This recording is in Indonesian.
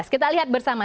kita lihat bersama